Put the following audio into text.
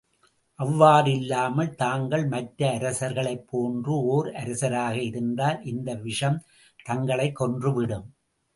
அவ்வாறு இல்லாமல், தாங்கள் மற்ற அரசர்களைப் போன்று ஓர் அரசராக இருந்தால், இந்த விஷம் தங்களைக் கொன்று விடும்.